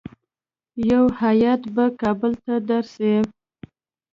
یو هیات به کابل ته درسي.